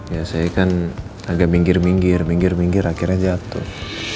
ya saya kan agak minggir minggir minggir minggir akhirnya jatuh